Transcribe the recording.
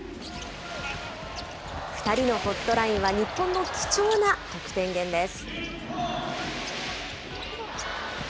２人のホットラインは日本の貴重な得点源です。